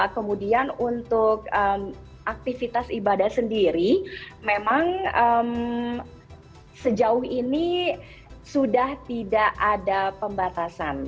kemudian untuk aktivitas ibadah sendiri memang sejauh ini sudah tidak ada pembatasan